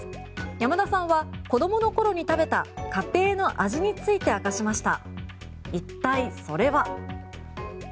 山田さんは子供の頃に食べた家庭の味について明かしました。